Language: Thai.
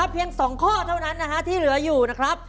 เพียง๒ข้อเท่านั้นนะฮะที่เหลืออยู่นะครับ